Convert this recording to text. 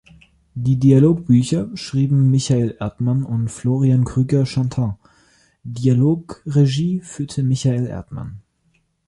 Die Dialogbücher schrieben Michael Erdmann und Florian Krüger-Shantin, Dialogregie führte Michael Erdmann.